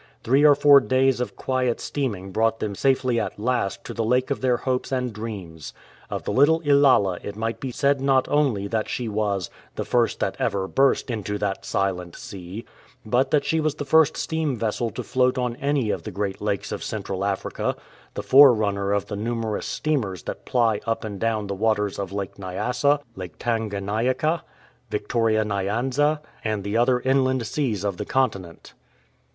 Three or four days of quiet steaming brought them safely at last to the lake of their hopes and dreams. Of the little Ilala it might be said not only that she was — The first that ever burst Into that silent sea^ but that she was the first steam vessel to float on any of the great lakes of Central Africa, the forerunner of the numerous steamers that ply up and down the waters of Lake Nyasa, Lake Tanganyika, Victoria Nyanza, and the other inland seas of the continent.